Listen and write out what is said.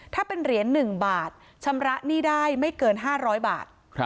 ถ้าเป็นเหรียญ๑บาทชำระหนี้ได้ไม่เกิน๕๐๐บาท